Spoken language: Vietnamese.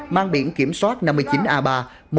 mang biển kiểm soát năm mươi chín a ba